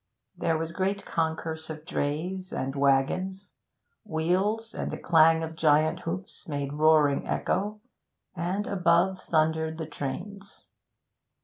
There was great concourse of drays and waggons; wheels and the clang of giant hoofs made roaring echo, and above thundered the trains.